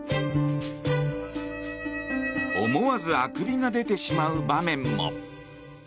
思わずあくびが出てしまう場面も。